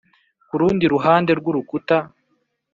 kurundi ruhande rwurukuta